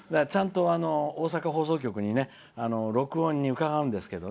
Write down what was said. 大阪放送局に録音に伺うんですけど。